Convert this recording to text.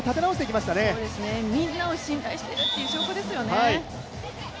みんなを信頼している証拠ですよね。